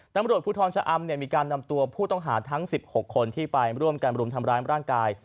ตำรวจภูทรชะอำมีการนำตัวผู้ต้องหาทั้ง๑๖คนที่ไปร่วมกันรุมทำร้ายร่างกาย